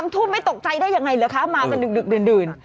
ทุ่มไม่ตกใจได้ยังไงเหรอคะมากันดึกดื่น